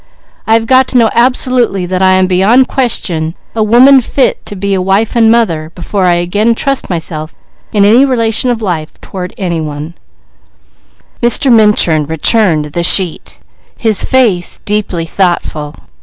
I have got to know absolutely that I am beyond question a woman fit to be a wife and mother, before I again trust myself in any relation of life toward any one_. Mr. Minturn returned the sheet, his face deeply thoughtful.